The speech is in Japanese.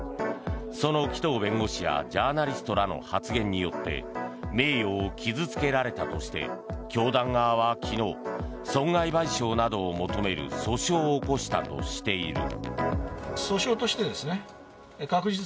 その紀藤弁護士やジャーナリストらの発言によって名誉を傷つけられたとして教団側は昨日損害賠償などを求める訴訟を起こしたとしている。